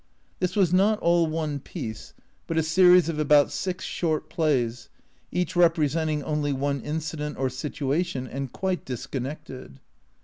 This was not all one piece, but a series of about six short plays, each representing only one incident or situation, and quite disconnected.